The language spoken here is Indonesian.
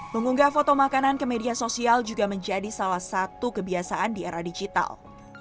mengunggah foto makanan ke media sosial juga menjadi salah satu kebiasaan di era digital